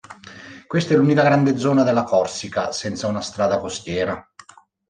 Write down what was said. Questa è l'unica grande zona della Corsica senza una strada costiera.